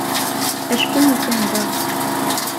Acku atan da.